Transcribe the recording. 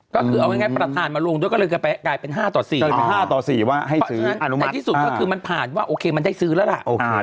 ก็คือเอาไงประธานมาลงด้วยก็เลยกลายเป็นห้าต่อสี่อ่ากลายเป็นห้าต่อสี่ว่าให้ซื้ออ่านุมัติแต่ที่สุดก็คือมันผ่านว่าโอเคมันได้ซื้อแล้วล่ะโอเค